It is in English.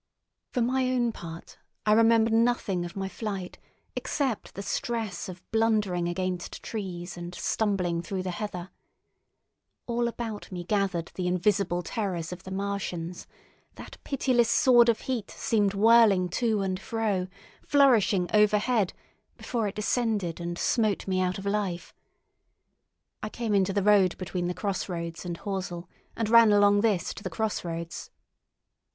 For my own part, I remember nothing of my flight except the stress of blundering against trees and stumbling through the heather. All about me gathered the invisible terrors of the Martians; that pitiless sword of heat seemed whirling to and fro, flourishing overhead before it descended and smote me out of life. I came into the road between the crossroads and Horsell, and ran along this to the crossroads.